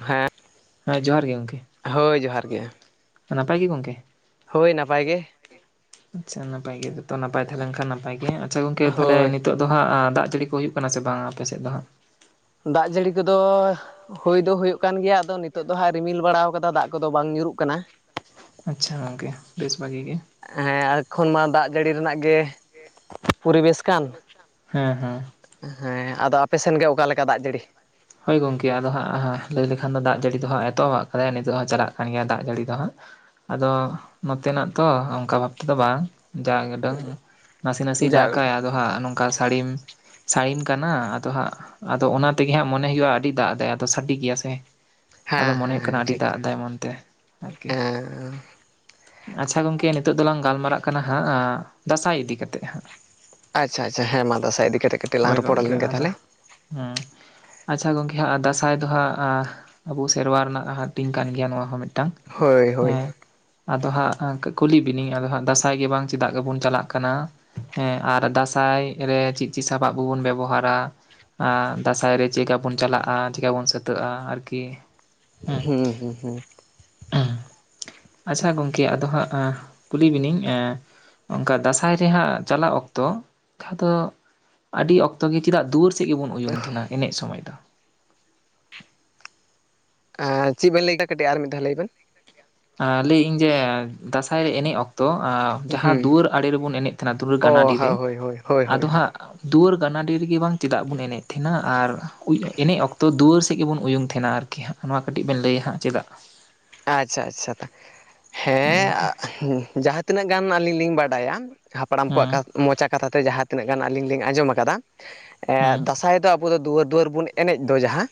ᱦᱮᱸ ᱦᱮᱸ ᱡᱚᱦᱟᱨ ᱜᱮ ᱜᱚᱢᱠᱮ ᱦᱳᱭ ᱡᱚᱦᱟᱨ ᱜᱮ ᱱᱟᱯᱟᱭ ᱜᱮ ᱜᱚᱝᱠᱮ ᱦᱳᱭ ᱱᱟᱯᱟᱭ ᱜᱮ ᱟᱪᱷᱟ ᱱᱟᱯᱟᱭ ᱜᱮ ᱡᱚᱛᱚ ᱱᱟᱯᱟᱭ ᱛᱟᱦᱮᱸᱞᱮᱱᱠᱷᱟᱱ ᱱᱟᱯᱟᱭ ᱜᱮ ᱟᱪᱷᱟ ᱜᱚᱝᱠᱮ ᱛᱟᱦᱮᱞᱮ ᱦᱳᱭ ᱱᱤᱛᱚᱜ ᱟᱫᱚ ᱦᱟᱸᱜ ᱫᱟᱜ ᱡᱟᱹᱲᱤ ᱠᱚ ᱦᱩᱭᱩᱜ ᱠᱟᱱᱟ ᱥᱮ ᱵᱟᱝ ᱟᱯᱮᱥᱮᱫ ᱫᱚ ᱦᱟᱸᱜ ᱫᱟᱜ ᱡᱟᱹᱲᱤ ᱠᱚᱫᱚ ᱦᱩᱭ ᱫᱚ ᱦᱳᱭᱳᱜ ᱠᱟᱱ ᱜᱮᱭᱟ ᱟᱫᱚ ᱱᱤᱛᱚᱜ ᱫᱚ ᱦᱟᱸᱜ ᱨᱤᱢᱤᱞ ᱵᱟᱲᱟ ᱠᱟᱫᱟ ᱫᱟᱜ ᱠᱚᱫᱚ ᱵᱟᱝ ᱧᱩᱨᱩᱜ ᱠᱟᱱᱟ ᱟᱪᱷᱟ ᱜᱚᱝᱠᱮ ᱵᱮᱥ ᱵᱷᱟᱹᱜᱤ ᱜᱮ ᱦᱮᱸ ᱮᱠᱷᱚᱱ ᱢᱟ ᱫᱟᱜ ᱡᱟᱹᱲᱤ ᱨᱮᱱᱟᱜ ᱜᱮ ᱯᱚᱨᱤᱵᱮᱥ ᱠᱟᱱ ᱦᱮᱸ ᱦᱮᱸ ᱦᱮᱸ ᱟᱫᱚ ᱟᱯᱮᱥᱮᱱ ᱜᱮ ᱚᱠᱟᱞᱮᱠᱟ ᱫᱟᱜ ᱡᱟᱹᱲᱤ ᱦᱳᱭ ᱜᱚᱝᱠᱮ ᱟᱫᱚ ᱦᱟᱸᱜ ᱞᱟᱹᱭ ᱞᱮᱠᱷᱟᱱ ᱫᱚ ᱫᱟᱜ ᱡᱟᱹᱲᱤ ᱫᱚ ᱦᱟᱸᱜ ᱮᱛᱚᱦᱚᱵᱟᱜ ᱠᱟᱫᱟᱭ ᱱᱤᱛᱚᱜ ᱦᱚᱸ ᱪᱟᱞᱟᱜ ᱠᱟᱱ ᱜᱮᱭᱟ ᱫᱟᱜ ᱡᱟᱹᱲᱤ ᱫᱚ ᱦᱟᱸᱜ ᱟᱫᱚ ᱱᱚᱛᱮ ᱱᱟᱜ ᱛᱚ ᱚᱱᱠᱟ ᱵᱷᱟᱵ ᱛᱮᱫᱚ ᱵᱟᱝ ᱡᱟ ᱜᱮ ᱰᱟᱹᱝ ᱱᱟᱥᱮ ᱱᱟᱥᱮ ᱡᱟ ᱫᱟᱜᱠᱟᱭ ᱟᱫᱚ ᱦᱟ ᱱᱚᱝ ᱚᱱᱠᱟ ᱥᱟᱹᱲᱤᱢ ᱥᱟᱹᱲᱤᱢ ᱠᱟᱱᱟ ᱟᱫᱚ ᱦᱟᱸᱜ ᱟᱫᱚ ᱚᱱᱟ ᱛᱮᱜᱮ ᱦᱟᱸᱜ ᱢᱚᱱᱮ ᱦᱩᱭᱩᱜᱼᱟ ᱟᱹᱰᱤ ᱫᱟᱜ ᱮᱫᱟᱭ ᱟᱫᱚ ᱥᱟᱰᱮ ᱜᱮᱭᱟ ᱥᱮ ᱦᱮᱸ ᱟᱫᱚ ᱢᱚᱱᱮ ᱦᱮᱸ ᱦᱩᱭᱩᱜ ᱦᱮᱸ ᱠᱟᱱᱟ ᱟᱹᱰᱤ ᱴᱷᱤᱠ ᱴᱷᱤᱠ ᱫᱟᱜ ᱮᱟᱭ ᱢᱚᱱ ᱛᱮ ᱟᱨᱠᱤ ᱦᱮᱸ ᱟᱪᱷᱟ ᱜᱚᱝᱠᱮ ᱱᱤᱛᱚᱜ ᱫᱚᱞᱟᱝ ᱜᱟᱞ ᱢᱟᱨᱟᱜ ᱠᱟᱱᱟ ᱦᱟᱸᱜ ᱫᱟᱸᱥᱟᱭ ᱤᱫᱤ ᱠᱟᱛᱮᱜ ᱦᱟᱸᱜ ᱟᱪᱷᱟ ᱟᱪᱟ ᱦᱮᱸ ᱢᱟ ᱫᱟᱸᱥᱟᱭ ᱤᱫᱤ ᱠᱟᱛᱮ ᱠᱟᱴᱤᱡ ᱞᱟᱝ ᱦᱳᱭ ᱨᱚᱯᱚᱲ ᱜᱚᱝᱠᱮ ᱞᱮᱱ ᱜᱮ ᱛᱟᱦᱚᱞᱮ ᱦᱮᱸ ᱟᱪᱷᱟ ᱜᱚᱝᱠᱮ ᱦᱟᱸᱜ ᱫᱟᱸᱥᱟᱭ ᱫᱚ ᱦᱟᱸᱜ ᱟᱵᱚ ᱥᱮᱨᱣᱟ ᱨᱮᱱᱟᱜ ᱦᱟᱹᱴᱤᱧ ᱠᱟᱱ ᱜᱮᱭᱟ ᱱᱚᱣᱟ ᱦᱚᱸ ᱢᱤᱫᱴᱟᱝ ᱦᱳᱭ ᱦᱳᱭ ᱢᱤᱫᱴᱟᱝ ᱮᱸ ᱟᱫᱚ ᱦᱟᱸᱜ ᱠᱩᱞᱤ ᱵᱱᱟᱹᱤᱧ ᱟᱫᱚ ᱦᱟᱸᱜ ᱫᱟᱸᱥᱟᱭ ᱜᱮ ᱵᱟᱝ ᱪᱮᱫᱟᱜ ᱜᱮᱵᱚᱱ ᱪᱟᱞᱟᱜ ᱠᱟᱱᱟ ᱦᱮᱸ ᱟᱨ ᱫᱟᱸᱥᱟᱭ ᱨᱮ ᱪᱮᱫ ᱪᱮᱫ ᱥᱟᱯᱟᱵ ᱠᱚᱵᱚᱱ ᱵᱮᱵᱚᱦᱟᱨᱟ ᱫᱟᱸᱥᱟᱭ ᱨᱮ ᱪᱮᱠᱟ ᱵᱚᱱ ᱪᱟᱞᱟᱜᱼᱟ ᱪᱮᱠᱟ ᱵᱚᱱ ᱥᱟᱹᱛᱟᱹᱜᱼᱟ ᱟᱨᱠᱤ ᱦᱩᱸ ᱦᱩᱸ ᱦᱩᱸ ᱟᱪᱷᱟ ᱜᱚᱢᱠᱮ ᱟᱫᱚ ᱦᱟᱸᱜ ᱠᱩᱞᱤ ᱵᱤᱱᱟᱹᱧ ᱚᱱᱠᱟ ᱫᱟᱸᱥᱟᱭ ᱨᱮᱭᱟᱜᱦᱟᱸ ᱪᱟᱞᱟᱜ ᱚᱠᱛᱚ ᱡᱟᱦᱟᱸ ᱫᱚ ᱟᱹᱰᱤ ᱚᱠᱛᱚ ᱜᱮ ᱪᱮᱫᱟᱜ ᱫᱩᱭᱟᱹᱨ ᱪᱮᱫ ᱜᱮᱵᱚᱱ ᱩᱭᱩᱝ ᱠᱤᱱᱟᱹ ᱮᱱᱮᱡ ᱥᱚᱢᱚᱭ ᱫᱚ ᱪᱮᱫ ᱵᱮᱱ ᱞᱟᱹᱭ ᱠᱮᱫᱟ ᱠᱟᱹᱴᱤᱡ ᱟᱨ ᱢᱤᱫ ᱫᱷᱟᱣ ᱞᱟᱹᱭ ᱵᱮᱱ ᱞᱟᱹᱭᱟᱹᱧ ᱡᱮ ᱫᱟᱸᱥᱟᱭ ᱨᱮ ᱮᱱᱮᱡ ᱚᱠᱛᱚ ᱛᱚ ᱡᱟᱦᱟᱸ ᱦᱩᱸ ᱫᱩᱣᱟᱹᱨ ᱟᱲᱮ ᱨᱮᱵᱚᱱ ᱮᱱᱮᱡ ᱛᱟᱦᱮᱱᱟ ᱫᱩᱣᱟᱹᱨ ᱚ ᱜᱟᱱᱟᱰᱤ ᱨᱮ ᱦᱳᱭ ᱦᱳᱭ ᱦᱳᱭ ᱦᱳᱭ ᱟᱫᱚ ᱦᱳᱭ ᱦᱟᱸᱜ ᱫᱩᱣᱟᱹᱨ ᱜᱟᱱᱟ ᱰᱮ ᱨᱮᱜᱮ ᱵᱟᱝ ᱪᱮᱫᱟᱜ ᱵᱚᱱ ᱮᱱᱮᱡ ᱛᱟᱦᱮᱱᱟ ᱟᱨ ᱮᱱᱮᱡ ᱚᱠᱛᱚ ᱫᱩᱣᱟᱹᱨ ᱥᱮ ᱪᱮᱫ ᱜᱮᱵᱚᱱ ᱩᱭᱩᱝ ᱛᱟᱦᱮᱱᱟ ᱟᱨᱠᱤ ᱦᱟᱸᱜ ᱱᱚᱣᱟ ᱠᱟᱹᱴᱤᱡ ᱵᱮᱱ ᱞᱟᱹᱭᱟ ᱦᱟᱸᱜ ᱪᱮᱫᱟᱜ ᱟᱪᱷᱟ ᱟᱪᱷᱟ ᱦᱳᱭ ᱦᱮᱸ ᱜᱚᱝᱠᱮ ᱡᱟᱦᱟᱸ ᱛᱤᱱᱟᱹᱜ ᱜᱟᱱ ᱟᱹᱞᱤᱧ ᱞᱤᱧ ᱵᱟᱰᱟᱭᱟ ᱦᱟᱯᱲᱟᱢ ᱦᱩᱸ ᱠᱚᱣᱟᱜ ᱢᱚᱪᱟ ᱠᱟᱛᱷᱟ ᱛᱮ ᱡᱟᱦᱟᱸ ᱛᱤᱱᱟᱹᱜ ᱜᱟᱱ ᱟᱹᱞᱤᱧ ᱞᱤᱧ ᱟᱸᱡᱚᱢ ᱟᱠᱟᱫᱟ ᱦᱩᱸ ᱫᱟᱸᱥᱟᱭ ᱫᱚ ᱟᱵᱚ ᱫᱚ ᱫᱩᱣᱟᱹᱨ ᱫᱩᱣᱟᱹᱨ ᱵᱚᱱ ᱮᱱᱮᱡ ᱫᱚ ᱡᱟᱦᱟᱸ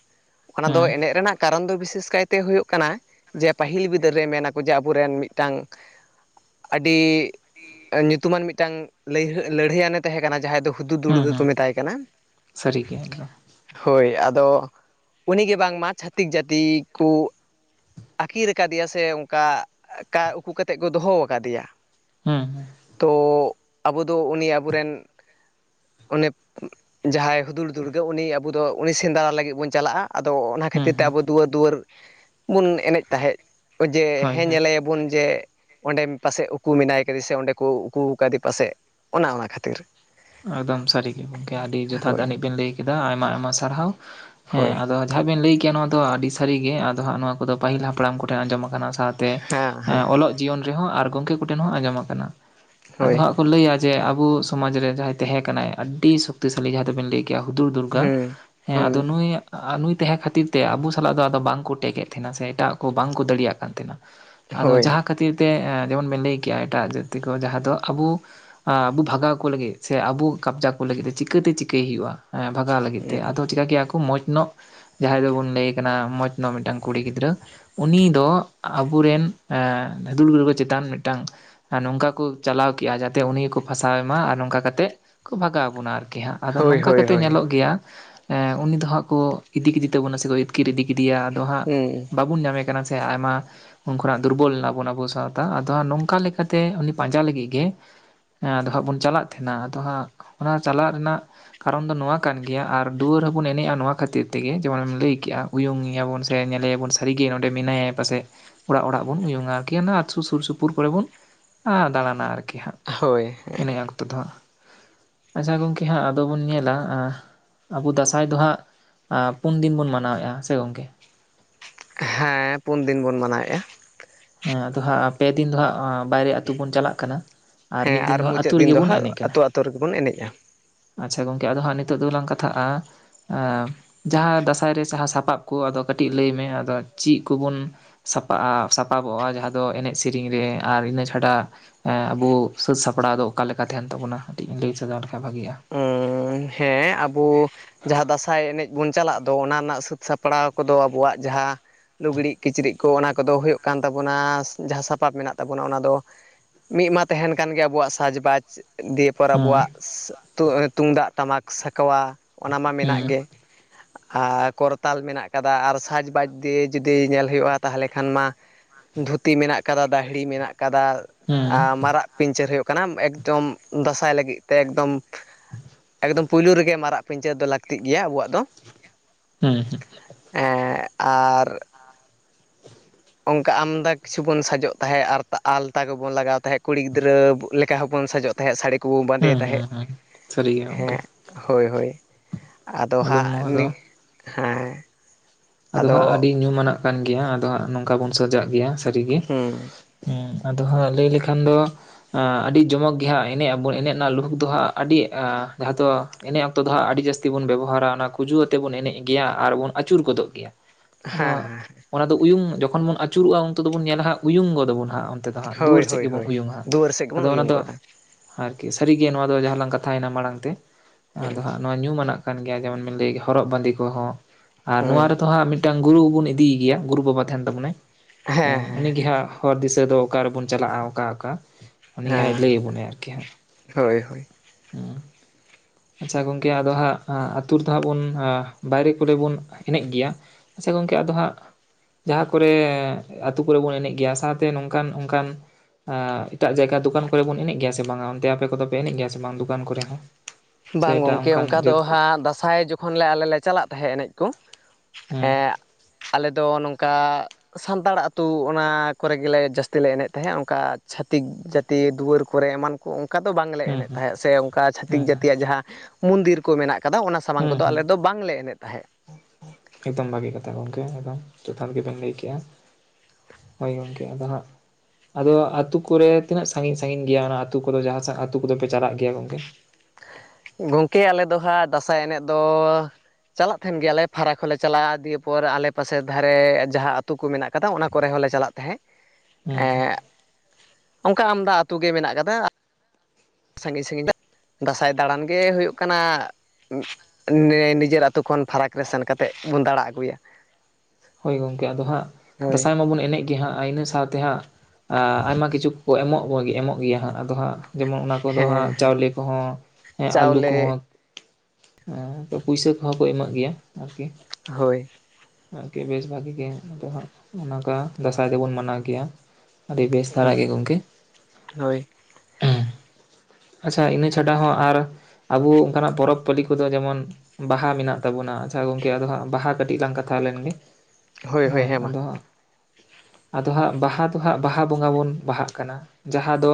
ᱚᱱᱟ ᱫᱚ ᱦᱩᱸ ᱮᱱᱮᱡ ᱨᱮᱱᱟᱜ ᱠᱟᱨᱚᱱ ᱫᱚ ᱵᱤᱥᱮᱥ ᱠᱟᱭᱛᱮ ᱦᱩᱭᱩᱜ ᱠᱟᱱᱟ ᱡᱮ ᱯᱟᱹᱦᱤᱞ ᱵᱤᱫᱟᱹᱞ ᱨᱮ ᱢᱮᱱᱟᱠᱚ ᱡᱮ ᱟᱵᱚᱨᱮᱱ ᱢᱤᱫᱴᱟᱝ ᱟᱹᱰᱤ ᱧᱩᱛᱩᱢᱟᱱ ᱢᱤᱫᱴᱟᱝ ᱞᱟᱹᱭᱦ ᱞᱟᱹᱲᱦᱟᱹᱭ ᱟᱱᱮ ᱛᱟᱦᱮᱸ ᱠᱟᱱᱟ ᱡᱟᱦᱟᱸᱭ ᱫᱚ ᱦᱩᱫᱩ ᱦᱩᱸ ᱫᱩᱲᱜᱟᱹ ᱠᱚ ᱦᱩᱸ ᱢᱮᱛᱟᱭ ᱠᱟᱱᱟ ᱥᱟᱹᱨᱤᱜᱮ ᱮᱠᱫᱚᱢ ᱦᱳᱭ ᱟᱫᱚ ᱩᱱᱤᱜᱮ ᱵᱟᱝᱢᱟ ᱪᱷᱟᱹᱛᱤᱠ ᱡᱟᱹᱛᱤ ᱠᱚ ᱟᱹᱠᱤᱨ ᱟᱠᱟᱫᱮᱭᱟ ᱥᱮ ᱚᱱᱠᱟ ᱠᱟ ᱩᱠᱩ ᱠᱟᱛᱮᱫ ᱠᱚ ᱫᱚᱦᱚ ᱟᱠᱟᱫᱮᱭᱟ ᱦᱮᱸ ᱛᱚ ᱟᱵᱚ ᱫᱚ ᱩᱱᱤ ᱟᱵᱚᱨᱮᱱ ᱚᱱᱮ ᱡᱟᱦᱟᱸᱭ ᱦᱩᱫᱩᱲᱼᱫᱩᱲᱜᱟᱹ ᱩᱱᱤ ᱟᱵᱚ ᱩᱱᱤ ᱥᱮᱸᱫᱽᱨᱟ ᱞᱟᱹᱜᱤᱫ ᱵᱚᱱ ᱪᱟᱞᱟᱜᱼᱟ ᱟᱫᱚ ᱚᱱᱟ ᱦᱩᱸ ᱠᱷᱟᱹᱛᱤᱨ ᱛᱮ ᱦᱩᱸ ᱟᱵᱚ ᱫᱩᱣᱟᱹᱨ ᱫᱩᱣᱟᱹᱨ ᱵᱚᱱ ᱮᱱᱮᱡ ᱛᱟᱦᱮᱸᱫ ᱡᱮ ᱦᱳᱭ ᱦᱮᱸ ᱦᱳᱭ ᱧᱮᱞᱮᱭᱟᱵᱚᱱ ᱡᱮ ᱚᱸᱰᱮ ᱯᱟᱥᱮᱡ ᱩᱠᱩ ᱢᱮᱱᱟᱭ ᱟᱠᱟᱫᱮ ᱥᱮ ᱚᱸᱰᱮ ᱠᱚ ᱩᱠᱩ ᱟᱠᱟᱫᱮ ᱯᱟᱥᱮᱡ ᱚᱱᱟ ᱚᱱᱟ ᱠᱷᱟᱹᱛᱤᱨ ᱮᱠᱫᱚᱢ ᱥᱟᱹᱨᱤ ᱜᱤ ᱜᱚᱝᱠᱮ ᱟᱹᱰᱤ ᱡᱚᱛᱷᱟᱛ ᱦᱳᱭ ᱟᱹᱱᱤᱡ ᱵᱮᱤᱱ ᱞᱟᱹᱭ ᱠᱮᱫᱟ ᱟᱭᱢᱟ ᱟᱭᱢᱟ ᱥᱟᱨᱦᱟᱣ ᱦᱮᱸ ᱦᱳᱭ ᱟᱫᱚ ᱡᱟᱦᱟᱸ ᱵᱮᱱ ᱞᱟᱹᱭ ᱠᱮᱭᱟ ᱱᱚᱣᱟ ᱫᱚ ᱟᱹᱰᱤ ᱥᱟᱹᱨᱤᱜᱮ ᱟᱫᱚ ᱦᱟᱸᱜ ᱱᱚᱣᱟ ᱠᱚᱫᱚ ᱯᱟᱹᱤᱞ ᱦᱟᱯᱲᱟᱢ ᱠᱚᱴᱷᱮᱱ ᱟᱸᱡᱚᱢ ᱟᱠᱟᱱᱟ ᱥᱟᱛ ᱦᱮᱸ ᱦᱮᱸ ᱚᱞᱚᱜ ᱡᱤᱭᱚᱱ ᱨᱮᱦᱚᱸ ᱟᱨ ᱜᱚᱝᱠᱮ ᱠᱚᱴᱷᱮᱱ ᱦᱚᱸ ᱟᱸᱡᱚᱢ ᱟᱠᱟᱱᱟ ᱟᱫᱚ ᱦᱳᱭ ᱦᱜ ᱠᱚ ᱞᱟᱹᱭᱟ ᱡᱮ ᱟᱵᱚ ᱥᱚᱢᱟᱡᱽ ᱨᱮ ᱡᱟᱦᱟᱸᱭ ᱛᱟᱦᱮᱸ ᱠᱟᱱᱟᱭ ᱟᱹᱰᱤ ᱥᱚᱠᱛᱤᱥᱟᱞᱞᱤ ᱡᱟᱦᱟᱸ ᱫᱚᱵᱮᱱ ᱞᱟᱹᱭ ᱦᱩᱫᱩᱨ ᱫᱩᱨᱜᱟ ᱦᱩᱸ ᱦᱮᱸ ᱦᱩᱸ ᱟᱫᱚ ᱱᱩᱭ ᱱᱩᱭ ᱛᱟᱦᱮᱸ ᱠᱷᱟᱹᱛᱤᱨ ᱛᱮ ᱟᱵᱚ ᱥᱟᱞᱟᱜ ᱫᱚ ᱟᱫᱚ ᱵᱟᱝᱠᱚ ᱴᱮᱠ ᱮᱫ ᱛᱟᱦᱮᱸᱱᱟ ᱥᱮ ᱮᱴᱟᱜ ᱠᱚ ᱵᱟᱝᱠᱚ ᱫᱟᱲᱮᱭᱟᱜ ᱠᱟᱱ ᱛᱟᱦᱮᱸᱱᱟ ᱟᱫᱚ ᱦᱳᱭ ᱡᱟᱦᱟᱸ ᱠᱷᱟᱹᱛᱤᱨ ᱛᱮ ᱡᱮᱢᱚᱱ ᱵᱮᱱ ᱞᱟᱹᱭ ᱠᱮᱭᱟ ᱮᱴᱟᱜ ᱡᱟᱛᱤ ᱠᱚ ᱡᱟᱦᱟᱸ ᱫᱚ ᱟᱵᱚ ᱟᱵᱚ ᱵᱷᱟᱜᱟᱣᱚ ᱞᱟᱹᱜᱤᱫ ᱥᱮ ᱟᱵᱚ ᱠᱟᱵᱽᱡᱟ ᱠᱚ ᱞᱟᱹᱜᱤᱫ ᱛᱮ ᱪᱤᱠᱟᱹᱛᱮ ᱪᱤᱠᱟᱹᱭ ᱦᱩᱭᱩᱜᱼᱟ ᱵᱷᱟᱜᱟᱣ ᱞᱟᱹᱜᱤᱫ ᱛᱮ ᱟᱫᱚ ᱪᱮᱟᱹ ᱠᱮᱭᱟᱚ ᱢᱚᱸᱡᱽ ᱧᱚᱜ ᱡᱟᱦᱟᱸᱭ ᱫᱚᱵᱚᱱ ᱞᱟᱹᱭ ᱠᱟᱱᱟ ᱢᱚᱡᱽ ᱫᱚ ᱢᱤᱫᱴᱟᱝ ᱠᱩᱲᱤ ᱜᱤᱫᱽᱨᱟᱹ ᱩᱱᱤ ᱫᱚ ᱟᱵᱚᱨᱮᱱ ᱮᱦ ᱦᱩᱫᱷᱩᱲᱜᱟ ᱠᱚ ᱪᱮᱛᱟᱱ ᱢᱤᱫᱴᱟᱝ ᱟᱨ ᱱᱚᱝᱠᱟ ᱠᱚ ᱪᱟᱞᱟᱣ ᱠᱮᱫᱼᱟ ᱡᱟᱛᱮ ᱩᱱᱤ ᱜᱮᱠᱚ ᱯᱷᱟᱥᱟᱣ ᱢᱟ ᱟᱨ ᱱᱚᱝᱠᱟ ᱠᱟᱛᱮ ᱛᱮᱜ ᱠᱚ ᱵᱷᱟᱜᱟᱣ ᱵᱚᱱᱟ ᱟᱨᱠᱤ ᱦᱟᱸᱜ ᱟᱫᱚ ᱦᱳᱭ ᱱᱚᱝᱠᱟ ᱦᱳᱭ ᱠᱟᱛᱮᱜ ᱦᱳᱭ ᱧᱮᱞᱚᱜ ᱜᱮᱭᱟ ᱩᱱᱤ ᱫᱚ ᱦᱟᱸᱜ ᱠᱚ ᱤᱫᱤ ᱠᱮᱫᱤ ᱛᱟᱵᱚᱱᱟ ᱥᱮ ᱛᱠᱤᱨ ᱤᱫᱤ ᱠᱮᱫᱮᱭᱟ ᱟᱫᱚ ᱦᱟᱸᱜ ᱦᱩᱸ ᱵᱟᱵᱚᱱ ᱧᱟᱢᱮ ᱠᱟᱱᱟ ᱥᱮ ᱟᱭᱢᱟ ᱩᱱ ᱠᱷᱚᱱᱟᱜ ᱫᱩᱨᱵᱚᱞᱱᱟ ᱵᱚᱱ ᱟᱵᱚ ᱥᱟᱶᱛᱟ ᱟᱫᱚ ᱱᱚᱝᱠᱟ ᱞᱮᱠᱟᱛᱮ ᱩᱱᱤ ᱯᱟᱸᱡᱟ ᱞᱟᱹᱜᱤᱫ ᱜᱮ ᱦᱮᱸ ᱟᱫᱚ ᱦᱟᱸᱜ ᱵᱚᱱ ᱪᱟᱞᱟᱜ ᱛᱟᱦᱮᱱᱟ ᱟᱫᱚ ᱦᱟᱸᱜ ᱚᱱᱟ ᱪᱟᱞᱟᱜ ᱨᱮᱱᱟᱜ ᱠᱟᱨᱚᱱ ᱫᱚ ᱱᱚᱣᱟ ᱠᱟᱱ ᱜᱮᱭᱟ ᱟᱨ ᱫᱩᱣᱟᱹᱨ ᱦᱚᱸᱵᱚᱱ ᱮᱱᱮᱡᱼᱟ ᱱᱚᱣᱟ ᱠᱷᱟᱹᱛᱤᱨ ᱛᱤᱜᱤ ᱡᱮᱢᱚᱱᱮᱢ ᱞᱟᱹᱭ ᱠᱮᱜᱼᱟ ᱩᱭᱩᱝ ᱮᱭᱟᱵᱚᱱ ᱥᱮ ᱧᱮᱞᱮᱭᱟᱵᱚᱱ ᱥᱟᱹᱨᱤᱜᱮ ᱱᱚᱸᱰᱮ ᱢᱮᱱᱟᱭᱟ ᱯᱟᱥᱮᱡ ᱚᱲᱟᱜ ᱚᱲᱟᱜ ᱵᱚᱱ ᱩᱭᱩᱝᱟ ᱟᱨᱠᱤ ᱚᱱᱟ ᱥᱩᱨ ᱥᱩᱨ ᱥᱩᱯᱩᱨ ᱠᱚᱨᱮ ᱵᱚᱱ ᱫᱟᱬᱟᱱᱟ ᱟᱨᱠᱤ ᱦᱟᱸᱜ ᱦᱳᱭ ᱦᱮ ᱚᱠᱛᱚ ᱫᱚ ᱦᱟᱸᱜ ᱟᱪᱪᱷᱟ ᱜᱚᱝᱠᱮ ᱦᱟᱸᱜ ᱟᱫᱚ ᱵᱚᱱ ᱧᱮᱞᱟ ᱟᱵᱚ ᱫᱟᱸᱥᱭ ᱫᱚ ᱦᱟᱸᱜ ᱯᱩᱱ ᱫᱤᱱ ᱵᱚᱱ ᱢᱟᱱᱟᱣᱮᱫᱼᱟ ᱥᱮ ᱜᱚᱝᱠᱮ ᱦᱮᱸ ᱯᱩᱱᱫᱤᱱ ᱵᱚᱱ ᱢᱟᱱᱟᱣᱮᱫᱼᱟ ᱦᱮᱸ ᱟᱫᱚ ᱦᱟᱸᱜ ᱯᱮ ᱫᱤᱱ ᱫᱚ ᱦᱟᱸᱜ ᱵᱟᱭᱨᱮ ᱟᱛᱩ ᱵᱚᱱ ᱪᱟᱞᱟᱜ ᱠᱟᱱᱟ ᱟᱨ ᱢᱤᱫ ᱫᱤᱱ ᱫᱚ ᱟᱛᱳ ᱨᱮᱜᱮ ᱵᱚᱱ ᱮᱱᱮᱡ ᱠᱟᱱᱟ᱾ ᱡᱚᱛᱚ ᱨᱮᱜᱮᱵᱚᱱ ᱮᱱᱮᱡᱼᱟ᱾ ᱟᱪᱪᱷᱟ ᱜᱚᱝᱠᱮ ᱟᱫᱚ ᱦᱟᱸᱜ ᱱᱤᱛᱚᱜ ᱫᱚᱞᱟᱝ ᱠᱟᱛᱷᱟᱜᱼᱟ ᱡᱟᱦᱟᱸ ᱫᱟᱸᱥᱟᱭ ᱨᱮ ᱡᱟᱦᱟᱸ ᱥᱟᱯᱟᱵ ᱠᱚ ᱟᱫᱚ ᱠᱟᱹᱴᱤᱡ ᱞᱟᱹᱭ ᱢᱮ ᱟᱫᱚ ᱪᱮᱫ ᱠᱚᱵᱚᱱ ᱥᱟᱯᱟᱜᱼᱟ ᱥᱟᱯᱟᱵᱚᱜᱼᱟ ᱡᱟᱦᱟᱸ ᱫᱚ ᱮᱱᱮᱡ ᱥᱮᱨᱮᱧ ᱨᱮ ᱟᱨ ᱤᱱᱟᱹ ᱪᱷᱟᱰᱟ ᱟᱵᱚ ᱥᱟᱹᱛ ᱥᱟᱯᱲᱟᱣ ᱫᱚ ᱚᱠᱟᱞᱮ ᱞᱮᱠᱟ ᱛᱟᱦᱮᱱ ᱛᱟᱵᱚᱱᱟ ᱠᱟᱹᱴᱤᱡ ᱤᱧ ᱞᱟᱹᱭ ᱥᱚᱫᱚᱨ ᱞᱮᱠᱷᱟᱡ ᱵᱷᱟᱹᱜᱤᱜᱼᱟ [unintelligible] ᱦᱮᱸ ᱟᱵᱚ ᱡᱟᱦᱟᱸ ᱫᱟᱸᱥᱟᱭ ᱮᱱᱮᱡ ᱵᱚᱱ ᱪᱟᱞᱟᱜ ᱫᱚ ᱚᱱᱟ ᱨᱮᱱᱟᱜ ᱥᱟᱹᱛ ᱥᱟᱯᱲᱟᱣ ᱠᱚᱫᱚ ᱟᱵᱚᱣᱟᱜ ᱡᱟᱦᱟᱸ ᱞᱩᱜᱽᱲᱤᱡ ᱠᱤᱪᱨᱤᱡ ᱠᱚ ᱚᱱᱟ ᱠᱚᱫᱚ ᱦᱩᱭᱩᱜ ᱠᱟᱱ ᱛᱟᱵᱚᱱᱟ ᱡᱟᱦᱟᱸ ᱥᱟᱯᱟᱯ ᱢᱮᱱᱟᱜ ᱛᱟᱵᱚᱱᱟ ᱚᱱᱟᱫᱚ ᱢᱤᱫ ᱢᱟ ᱛᱟᱦᱮᱱ ᱠᱟᱱ ᱜᱮᱭᱟ ᱟᱵᱚᱣᱟᱜ ᱥᱟᱡᱽᱵᱟᱡ ᱫᱤᱯ ᱛᱟᱨᱯᱚᱨ ᱦᱩᱸ ᱟᱵᱚᱣᱟᱜ ᱛᱩᱢᱫᱟᱜ ᱴᱟᱢᱟᱠ ᱥᱟᱠᱣᱟ ᱚᱱᱟ ᱢᱟ ᱢᱮᱱᱟᱜ ᱦᱩᱸ ᱜᱮ [inaudible] ᱟᱨ ᱠᱚᱨᱛᱟᱞ ᱢᱮᱱᱟᱜ ᱠᱟᱫᱟ ᱟᱨ ᱥᱟᱡᱽᱼᱵᱟᱡᱽ ᱫᱤᱭᱮ ᱡᱩᱫᱤ ᱧᱮᱞ ᱦᱩᱭᱩᱜᱼᱟ ᱛᱟᱦᱚᱞᱮ ᱠᱷᱟᱱ ᱢᱟ ᱫᱷᱩᱛᱤ ᱢᱮᱱᱟᱜ ᱟᱠᱟᱫᱟ ᱫᱟᱹᱦᱲᱤ ᱢᱮᱱᱟᱜ ᱟᱠᱟᱫᱟ ᱦᱩᱸ ᱢᱟᱨᱟᱜ ᱯᱤᱧᱪᱟᱹᱨ ᱦᱩᱭᱩᱜ ᱠᱟᱱᱟ ᱮᱠᱫᱚᱢ ᱫᱟᱸᱥᱟᱭ ᱞᱟᱹᱜᱤᱫ ᱛᱮ ᱮᱠᱫᱚᱢ ᱮᱠᱫᱚᱢ ᱯᱩᱭᱞᱳ ᱨᱮᱜᱮ ᱢᱟᱨᱟᱜ ᱯᱤᱧᱪᱟᱹᱨ ᱫᱚ ᱞᱟᱹᱠᱛᱤᱜ ᱜᱮᱭᱟ ᱟᱵᱚᱣᱟᱜ ᱫᱚ ᱦᱮᱸ ᱦᱮᱸ ᱮᱸ ᱟᱨ ᱚᱱᱠᱟ ᱟᱢᱫᱟ ᱠᱤᱪᱷᱩ ᱵᱚᱱ ᱥᱟᱡᱚᱜ ᱛᱟᱦᱮᱸᱜ ᱟᱨ ᱟᱞᱛᱟ ᱠᱚᱵᱚᱱ ᱞᱟᱜᱟᱣ ᱛᱟᱦᱮᱸᱜ ᱠᱩᱲᱤ ᱜᱤᱫᱽᱨᱟᱹ ᱞᱮᱠᱟ ᱦᱚᱸᱵᱚᱱ ᱥᱟᱡᱚᱜ ᱛᱟᱦᱮᱸᱫ ᱥᱟᱹᱲᱤ ᱠᱚᱵᱚ ᱵᱟᱸᱫᱮᱭ ᱦᱩᱸ ᱛᱟᱦᱮᱸᱫ ᱦᱩᱸ ᱥᱟᱹᱨᱤᱜᱮ ᱦᱮᱸ ᱜᱚᱝᱠᱮ ᱦᱳᱭ ᱦᱳᱭ ᱟᱫᱚ ᱦᱟᱸᱜ ᱱᱚᱣᱟ ᱫᱚ ᱱᱤ ᱦᱮᱸ ᱟᱫᱚ ᱦᱟᱸᱜ ᱟᱹᱰᱤ ᱧᱩᱢᱟᱱᱟᱜ ᱠᱟᱱ ᱜᱮᱭᱟ ᱟᱫᱚ ᱦᱟᱸᱜ ᱱᱚᱝᱠᱟ ᱵᱚᱱ ᱥᱟᱡᱟᱜ ᱜᱮᱭᱟ ᱥᱟᱹᱨᱤᱜᱮ ᱦᱩᱸ ᱦᱩᱸ ᱟᱫᱚ ᱦᱟᱸᱜ ᱞᱟᱹᱭ ᱞᱮᱠᱷᱟᱱ ᱫᱚ ᱟᱸᱻ ᱟᱹᱰᱤ ᱡᱚᱢᱚᱠ ᱜᱮ ᱦᱟᱸᱜ ᱮᱱᱮᱡ ᱟᱵᱚᱱ ᱮᱱᱮᱡ ᱨᱮᱱᱟᱜ ᱞᱩᱠ ᱫᱚ ᱦᱟᱸᱜ ᱟᱹᱰᱤ ᱡᱟᱦᱟᱸ ᱫᱚ ᱮᱱᱮᱡ ᱚᱠᱛᱚ ᱫᱚ ᱦᱟᱸᱜ ᱟᱹᱰᱤ ᱡᱟᱹᱥᱛᱤ ᱵᱚᱱ ᱵᱮᱵᱚᱦᱟᱨᱟ ᱚᱱᱟ ᱠᱩᱡᱩ ᱟᱛᱮ ᱵᱚᱱ ᱮᱱᱮᱡ ᱜᱮᱭᱟ ᱟᱨᱵᱚᱱ ᱟᱹᱪᱩᱨ ᱜᱚᱫᱚᱜ ᱜᱮ ᱦᱮᱸ ᱟᱫᱚ ᱚᱱᱟ ᱫᱚ ᱩᱭᱩᱝ ᱡᱚᱠᱷᱚᱱ ᱵᱚᱱ ᱟᱹᱪᱩᱨᱚᱜᱼᱟ ᱚᱱᱛᱮ ᱫᱚᱵᱚᱱ ᱧᱮᱞᱟ ᱦᱟᱸᱜ ᱩᱭᱩᱝ ᱜᱚᱫᱟᱵᱚᱱ ᱦᱟᱸᱜ ᱛᱮᱫᱚ ᱦᱮᱸ ᱦᱟᱸᱜ ᱦᱳᱭ ᱫᱩᱣᱟᱹᱨ ᱥᱮᱫ ᱦᱳᱭ ᱜᱮᱵᱚᱱ ᱦᱳᱭ ᱩᱭᱩᱝᱟᱜ ᱫᱩᱣᱟᱹᱨ ᱥᱮᱫ ᱟᱫᱚ ᱜᱮᱵᱚᱱ ᱚᱱᱟ ᱩᱭᱩᱝ ᱫᱚ ᱜᱚᱫᱟ ᱟᱨᱠᱤ ᱥᱟᱹᱨᱤᱜᱮ ᱱᱚᱣᱟ ᱫᱚ ᱡᱟᱦᱟᱸ ᱞᱟᱝ ᱠᱟᱛᱷᱟᱭᱮᱱᱟ ᱢᱟᱲᱟᱝ ᱛᱮ ᱦᱩᱸ ᱟᱫᱚ ᱦᱟᱸᱜ ᱱᱚᱣᱟ ᱧᱩᱢᱟᱱᱟᱜ ᱠᱟᱱ ᱜᱮᱭᱟ ᱡᱮᱢᱚᱱ ᱞᱟᱹᱭ ᱦᱚᱨᱚᱜ ᱵᱟᱸᱫᱮ ᱠᱚᱦᱚᱸ ᱟᱨ ᱦᱩᱸ ᱱᱚᱣᱟ ᱛᱚ ᱦᱟᱸᱜ ᱢᱤᱫᱴᱟᱝ ᱜᱩᱨᱩ ᱵᱚᱱ ᱤᱫᱤᱭᱮ ᱜᱮᱭᱟ ᱜᱩᱨᱩ ᱵᱟᱵᱟ ᱛᱟᱦᱮᱱ ᱛᱟᱵᱚᱱᱟᱭ ᱦᱮᱸ ᱩᱱᱤᱜᱮ ᱦᱟᱸᱜ ᱦᱚᱨ ᱫᱤᱥᱟᱹ ᱫᱚ ᱚᱠᱟᱨᱮ ᱵᱚᱱ ᱪᱟᱞᱟᱜᱼᱟ ᱚᱠᱟ ᱚᱠᱟ ᱩᱱᱤ ᱦᱟᱭ ᱦᱮᱸ ᱞᱟᱹᱭ ᱟᱵᱚᱱᱟᱭ ᱟᱨᱠᱤ ᱦᱟ ᱦᱳᱭ ᱦᱳᱭ ᱦᱮᱸ ᱟᱪᱪᱷᱟ ᱜᱚᱝᱠᱮ ᱟᱫᱚ ᱦᱟᱸᱜ ᱟᱛᱩ ᱨᱮᱛᱚ ᱦᱟᱸᱜ ᱵᱚᱱ ᱵᱟᱭᱨᱮ ᱠᱚᱨᱮ ᱵᱚᱱ ᱮᱱᱮᱡ ᱜᱮᱭᱟ ᱟᱪᱪᱷᱟ ᱜᱚᱝᱠᱮ ᱟᱫᱚ ᱦᱟᱸᱜ ᱡᱟᱦᱟᱸ ᱠᱚᱨᱮ ᱟᱹᱛᱩ ᱠᱚᱨᱮ ᱵᱚᱱ ᱮᱱᱮᱡ ᱜᱮᱭᱟ ᱥᱟᱶᱛᱮ ᱱᱚᱝᱠᱟᱱ ᱚᱱᱠᱟᱱ ᱮᱴᱟᱜ ᱡᱟᱭᱜᱟ ᱫᱚᱠᱟᱱ ᱠᱚᱨᱮ ᱵᱚᱱ ᱮᱱᱮᱡ ᱜᱮᱭᱟ ᱥᱮ ᱵᱟᱝᱟ ᱚᱱᱛᱮ ᱟᱯᱮ ᱠᱚᱫᱚ ᱯᱮ ᱮᱱᱮᱡ ᱜᱮᱭᱟ ᱥᱮ ᱵᱟᱝ ᱫᱚᱠᱟᱱ ᱠᱚᱨᱮ ᱦᱚᱸ ᱥᱮ ᱵᱟᱝ ᱮᱴᱟᱜ ᱜᱚᱝᱠᱮ ᱚᱱᱠᱟᱱ ᱚᱝᱠᱟ ᱫᱚ ᱡᱟᱹᱛ ᱠᱚᱨᱮ ᱦᱟᱸᱜ ᱫᱟᱸᱥᱟᱭ ᱡᱚᱠᱷᱚᱱ ᱞᱮ ᱟᱞᱮ ᱞᱮ ᱪᱟᱞᱟᱜ ᱛᱟᱦᱮᱸᱜ ᱮᱱᱮᱡ ᱠᱚ ᱦᱩᱸ ᱮᱸᱜ ᱟᱞᱮ ᱫᱚ ᱱᱚᱝᱠᱟ ᱥᱟᱱᱛᱟᱲ ᱟᱹᱛᱩ ᱚᱱᱟ ᱠᱚᱨᱮ ᱜᱮᱞᱮ ᱡᱟᱹᱥᱛᱤ ᱞᱮ ᱮᱱᱮᱡ ᱛᱟᱦᱮᱸᱫ ᱚᱱᱠᱟ ᱪᱷᱟᱹᱛᱤᱠ ᱡᱟᱹᱛᱤ ᱫᱩᱣᱟᱹᱨ ᱠᱚᱨᱮ ᱮᱢᱟᱱ ᱠᱚ ᱚᱱᱠᱟ ᱫᱚ ᱵᱟᱝᱞᱮ ᱦᱩᱸ ᱮᱱᱮᱫ ᱦᱩᱸ ᱛᱟᱦᱮᱸᱫ ᱥᱮ ᱚᱱᱠᱟ ᱦᱩᱸ ᱪᱷᱟᱛᱤᱠ ᱦᱩᱸ ᱡᱟᱹᱛᱤᱭᱟᱜ ᱡᱟᱦᱟᱸ ᱢᱩᱱᱫᱤᱨ ᱠᱚ ᱢᱮᱱᱟᱜ ᱠᱟᱫᱟ ᱚᱱᱟ ᱥᱟᱢᱟᱝ ᱦᱩᱸ ᱠᱚᱫᱚ ᱦᱩᱸ ᱟᱞᱮᱫ ᱫᱚ ᱵᱟᱝᱞᱮ ᱮᱱᱮᱫ ᱛᱟᱦᱮᱸᱫ ᱮᱠᱫᱚᱢ ᱵᱷᱟᱜᱤ ᱠᱟᱛᱷᱟ ᱜᱚᱝᱠᱮ ᱮᱠᱫᱚᱢ ᱡᱚᱛᱷᱟᱛ ᱜᱮᱵᱤᱱ ᱞᱟᱹᱭ ᱠᱮᱫᱜᱼᱟ ᱦᱳᱭ ᱜᱚᱝᱠᱮ ᱟᱫᱚ ᱦᱟᱸᱜ ᱟᱫᱚ ᱟᱹᱛᱩ ᱠᱚᱨᱮ ᱛᱤᱱᱟᱹᱜ ᱥᱟᱺᱜᱤᱧ ᱥᱟᱺᱜᱤᱧ ᱜᱮᱭᱟ ᱚᱱᱟ ᱟᱹᱛᱩ ᱠᱚᱫᱚ ᱡᱟᱦᱟ ᱟᱸᱛᱩ ᱠᱚᱫᱚᱯᱮ ᱪᱟᱞᱟᱜ ᱜᱮᱭᱟ ᱜᱚᱝᱠᱮ ᱜᱚᱝᱠᱮ ᱟᱞᱮ ᱫᱚ ᱦᱟᱸᱜ ᱫᱟᱸᱥᱟᱭ ᱮᱱᱮᱡ ᱫᱚ ᱪᱟᱞᱟᱜ ᱛᱟᱦᱮᱱ ᱜᱮᱭᱟᱞᱮ ᱯᱷᱟᱨᱟᱠ ᱦᱚᱸᱞᱮ ᱪᱟᱞᱟᱜᱼᱟ ᱫᱤᱭᱮ ᱯᱚᱨ ᱟᱞᱮ ᱯᱟᱥᱮ ᱫᱷᱟᱨᱮ ᱡᱟᱦᱟᱸ ᱟᱹᱛᱩ ᱠᱚ ᱢᱮᱱᱟᱜ ᱠᱟᱫᱟ ᱚᱱᱟ ᱠᱚᱨᱮ ᱦᱚᱸᱞᱮ ᱪᱟᱞᱟᱜ ᱦᱮᱸ ᱦᱩᱸ ᱮᱸᱜ ᱚᱱᱠᱟ ᱟᱢᱫᱟ ᱟᱹᱛᱩᱳ ᱜᱮ ᱢᱮᱱᱟᱜ ᱠᱟᱫᱟ ᱥᱟᱺᱜᱤᱧ ᱥᱟᱜᱤᱧ ᱫᱟᱸᱥᱟᱭᱫᱟ ᱫᱟᱬᱟᱱ ᱜᱮ ᱦᱩᱭᱩᱜ ᱠᱟᱱᱟ ᱱᱤᱡᱮᱨ ᱟᱛᱳ ᱠᱷᱚᱱ ᱯᱷᱟᱨᱟᱠ ᱨᱮ ᱥᱮᱱ ᱠᱟᱛᱮᱫ ᱵᱚᱱ ᱫᱟᱬᱟ ᱟᱹᱜᱩᱭᱟ ᱦᱳᱭ ᱜᱚᱝᱠᱮ ᱟᱫᱚ ᱦᱟᱸᱜ ᱦᱳᱭ ᱫᱟᱸᱥᱟᱭ ᱢᱟᱵᱚᱱ ᱮᱱᱮᱡ ᱜᱮ ᱦᱟᱸᱜ ᱤᱱᱟᱹ ᱥᱟᱶᱛᱮ ᱦᱟᱸᱜ ᱟᱸ ᱟᱭᱢᱟ ᱠᱤᱪᱷᱩ ᱠᱚᱠᱚ ᱮᱢᱚᱜ ᱮᱢᱚᱜ ᱜᱮᱭᱟ ᱦᱟᱸᱜ ᱟᱫᱚ ᱦᱟᱸᱜ ᱡᱮᱢᱚᱱ ᱚᱱᱟ ᱠᱚᱫᱚ ᱦᱟᱸᱜ ᱦᱮᱸ ᱪᱟᱣᱞᱮ ᱠᱚᱦᱚᱸ ᱦᱮᱸ ᱟᱹᱞᱩ ᱪᱟᱣᱞᱮ ᱠᱚᱦᱚᱸ ᱦᱮᱸ, ᱛᱚ ᱯᱩᱭᱥᱟᱹ ᱠᱚᱦᱚᱸ ᱠᱚ ᱮᱢᱟᱜ ᱜᱮᱭᱟ ᱟᱨᱠᱤ ᱦᱳᱭ ᱜᱮ ᱵᱮᱥ ᱵᱷᱟᱜᱤ ᱜᱮ ᱚᱱᱠᱟ ᱫᱟᱸᱥᱟᱭ ᱫᱚᱵᱚᱱ ᱢᱟᱱᱟᱣ ᱜᱮᱭᱟ ᱟᱹᱰᱤ ᱵᱮᱥ ᱫᱷᱟᱨᱟ ᱜᱮ ᱜᱚᱢᱠᱮ ᱦᱳᱭ ᱟᱪᱪᱷᱟ ᱤᱱᱟᱹ ᱪᱷᱟᱰᱟ ᱦᱚᱸ ᱟᱨ ᱟᱵᱚ ᱚᱱᱠᱟᱱᱟᱜ ᱯᱚᱨᱚᱵᱽ ᱯᱟᱹᱞᱤ ᱠᱚᱫᱚ ᱡᱮᱢᱚᱱ ᱵᱟᱦᱟ ᱢᱮᱱᱟᱜ ᱛᱟᱵᱚᱱᱟ ᱟᱪᱪᱷᱟ ᱜᱚᱝᱠᱮ ᱟᱫᱚ ᱦᱟᱸᱜ ᱵᱟᱦᱟ ᱠᱟᱹᱴᱤᱡ ᱞᱟᱝ ᱠᱟᱛᱷᱟ ᱞᱮᱱᱜᱮ ᱦᱳᱭ ᱦᱳᱭ ᱦᱮᱸ ᱢᱟ ᱟᱫᱚ ᱦᱟᱸᱜ ᱟᱫᱚ ᱦᱟᱸᱜ ᱵᱟᱦᱟ ᱫᱚ ᱦᱟᱸᱜ ᱵᱟᱦᱟ ᱵᱚᱸᱜᱟ ᱵᱚᱱ ᱵᱟᱦᱟᱜ ᱠᱟᱱᱟ ᱡᱟᱦᱟᱸ ᱫᱚ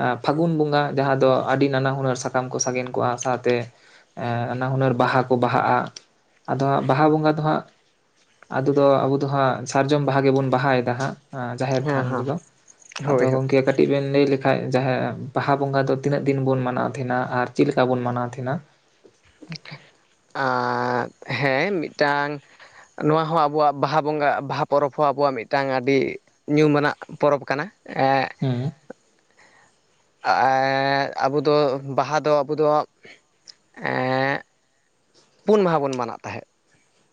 ᱟᱸ ᱯᱷᱟᱹᱜᱩᱱ ᱵᱚᱸᱜᱟ ᱡᱟᱦᱟᱸ ᱫᱚ ᱟᱹᱰᱤ ᱱᱟᱱᱟ ᱦᱩᱱᱟᱹᱨ ᱥᱟᱠᱟᱢ ᱠᱚ ᱥᱟᱜᱮᱱ ᱠᱚᱜᱼᱟ ᱥᱟᱶᱛᱮ᱾ ᱮᱸ ᱱᱟᱱᱟ ᱦᱩᱱᱟᱹᱨ ᱵᱟᱦᱟ ᱠᱚ ᱵᱟᱦᱟᱜᱼᱟ ᱟᱫᱚ ᱦᱟᱸᱜ ᱵᱟᱦᱟ ᱵᱚᱸᱜᱟ ᱫᱚ ᱦᱟᱸᱜ ᱟᱫᱚ ᱫᱚ ᱟᱵᱚ ᱫᱚ ᱦᱟᱸᱜ ᱥᱟᱨᱡᱚᱢ ᱵᱟᱦᱟ ᱜᱮᱵᱚᱱ ᱵᱟᱦᱟᱭᱮᱫᱟ ᱦᱟᱸᱜ ᱡᱟᱦᱮᱨ ᱦᱮᱸ ᱛᱷᱟᱱ ᱦᱮᱸ ᱨᱮᱫᱚ ᱟᱫᱚ ᱦᱳᱭ ᱦᱳᱭ ᱜᱚᱢᱠᱮ ᱠᱟᱹᱴᱤᱡ ᱵᱤᱱ ᱞᱟᱹᱭ ᱞᱮᱠᱷᱟᱱ ᱡᱟᱦᱮ ᱵᱟᱦᱟ ᱵᱚᱸᱜᱟ ᱫᱚ ᱛᱤᱱᱟᱹᱜ ᱫᱤᱱ ᱵᱚᱱ ᱢᱟᱱᱟᱣ ᱛᱟᱦᱮᱸᱱᱟ ᱟᱨ ᱪᱮᱫ ᱞᱮᱠᱟ ᱵᱚᱱ ᱢᱟᱱᱟᱣ ᱛᱟᱦᱮᱸᱱᱟ ᱟᱨᱴᱸᱻ ᱦᱮᱸ ᱢᱤᱫᱴᱟᱝ ᱱᱚᱣᱟ ᱦᱚᱸ ᱟᱵᱚᱣᱟᱜ ᱵᱟᱦᱟ ᱵᱚᱸᱜᱟ ᱵᱟᱦᱟ ᱯᱚᱨᱚᱵᱽ ᱦᱚᱸ ᱟᱵᱚᱣᱟᱜ ᱢᱤᱫᱴᱟᱝ ᱟᱹᱰᱤ ᱧᱩᱢ ᱟᱱᱟᱜ ᱯᱚᱨᱚᱵᱽ ᱠᱟᱱᱟ ᱦᱩᱸ ᱟ ᱮ ᱟᱵᱚ ᱫᱚ ᱵᱟᱦᱟ ᱫᱚ ᱟᱵᱚ ᱫᱚ ᱮᱸ ᱯᱩᱱ ᱢᱟᱦᱟ ᱵᱚᱱ ᱢᱟᱱᱟᱣ ᱛᱟᱦᱮᱸᱫ᱾